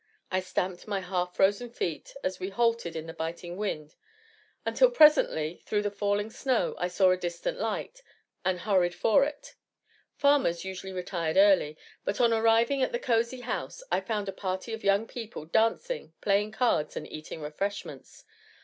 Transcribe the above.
I stamped my half frozen feet, as we halted in the biting wind until, presently, through the falling snow, I saw a distant light, and hurried for it. Farmers usually retired early; but on arriving at the cozy house, I found a party of young people dancing, playing cards, and eating refreshments.